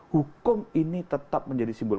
hukum ini tetap menjadi simbol